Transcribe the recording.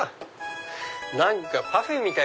何かパフェみたい！